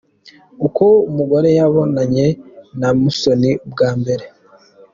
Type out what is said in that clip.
Uko umugore yabonanye na Musoni bwa mbere